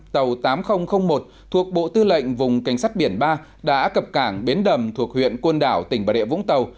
tàu tám nghìn một thuộc bộ tư lệnh vùng cảnh sát biển ba đã cập cảng bến đầm thuộc huyện côn đảo tỉnh bà rịa vũng tàu